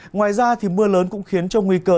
ngoài ra mưa lớn cũng khiến cho nguy cơ